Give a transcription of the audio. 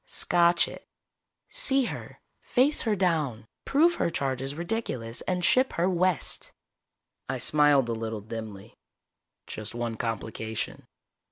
"Scotch it. See her, face her down, prove her charge is ridiculous, and ship her west." I smiled a little dimly. "Just one complication."